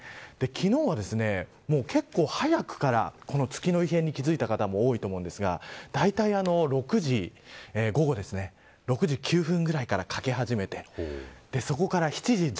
昨日は結構早くからこの月の異変に気づいた方も多いと思いますがだいたい午後６時９分ぐらいから欠け始めてそこから７時１６分